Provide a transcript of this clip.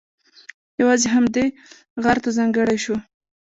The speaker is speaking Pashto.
یوازې همدې غار ته ځانګړی شو.